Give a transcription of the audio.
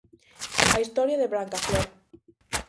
A historia de Brancaflor.